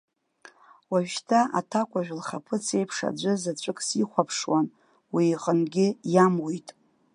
Уажәшьҭа аҭакәажә лхаԥыц еиԥш аӡә заҵәык сихәаԥшуан, уи иҟынгьы иамуит!